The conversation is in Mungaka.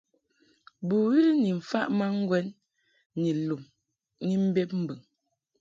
Bɨwi ni mfaʼ ma ŋgwɛn ni lum ni mbeb mbɨŋ.